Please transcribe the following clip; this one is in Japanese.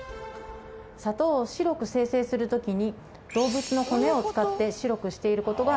砂糖を白く精製する時に動物の骨を使って白くしている事があるんです。